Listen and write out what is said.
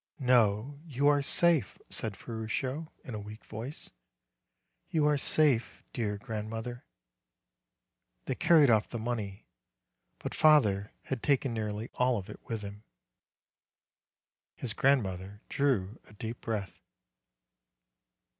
"No; you are safe," said Ferruccio, in a weak voice. "You are safe, dear grandmother. They carried off the money. But father had taken nearly all of it with him." 196 MARCH His grandmother drew a deep breath.